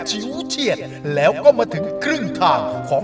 สวัสดีครับ